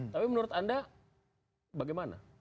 tapi menurut anda bagaimana